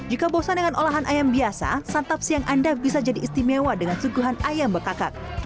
jika bosan dengan olahan ayam biasa santap siang anda bisa jadi istimewa dengan suguhan ayam bekakak